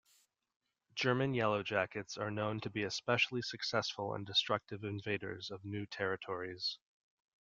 German yellowjackets are known to be especially successful and destructive invaders of new territories.